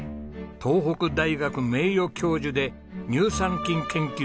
東北大学名誉教授で乳酸菌研究の第一人者。